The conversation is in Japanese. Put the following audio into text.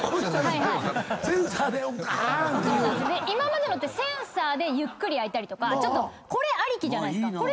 今までのってセンサーでゆっくり開いたりとかこれありきじゃないですか。